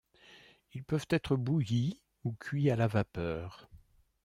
Ils peuvent être bouillis ou cuits à la vapeur.